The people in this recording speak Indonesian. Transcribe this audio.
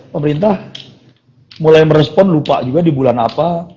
pemerintah mulai merespon lupa juga di bulan apa